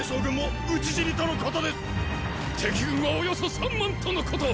敵軍はおよそ三万とのこと！